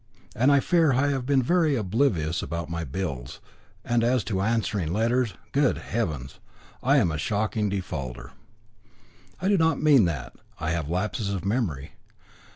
And I fear I have been very oblivious about my bills; and as to answering letters good heavens! I am a shocking defaulter." "I do not mean that. I have lapses of memory.